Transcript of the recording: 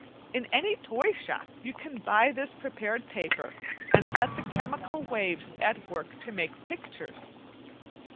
In any toyshop you can buy this prepared paper, and set the chemical waves at work to make pictures.